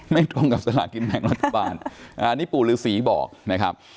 ไม่ตรงกับสละกินแม่งรถป่านอ่านี่ปู่ฤษีบอกนะครับ